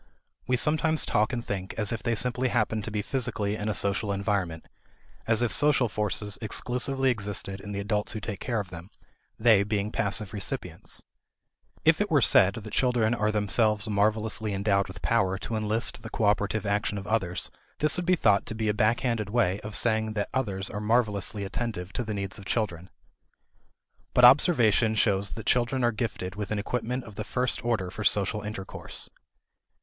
We sometimes talk and think as if they simply happened to be physically in a social environment; as if social forces exclusively existed in the adults who take care of them, they being passive recipients. If it were said that children are themselves marvelously endowed with power to enlist the cooperative attention of others, this would be thought to be a backhanded way of saying that others are marvelously attentive to the needs of children. But observation shows that children are gifted with an equipment of the first order for social intercourse.